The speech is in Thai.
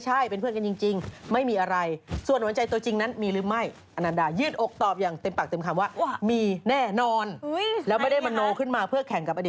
จะกินไข่ก็จริงจังเลยใช่ไหมครับค่าวปอกไข่ค่าวปอกไข่